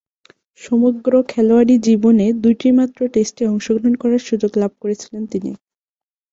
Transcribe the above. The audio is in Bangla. সমগ্র খেলোয়াড়ী জীবনে দুইটিমাত্র টেস্টে অংশগ্রহণ করার সুযোগ লাভ করেছিলেন তিনি।